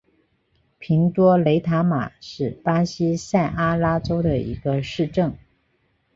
平多雷塔马是巴西塞阿拉州的一个市镇。